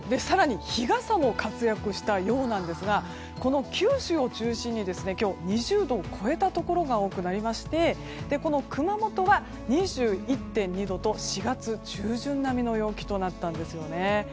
更に日傘も活躍したようなんですがこの九州を中心に今日２０度を超えたところが多く熊本は２１．２度と４月中旬並みの陽気となったんです。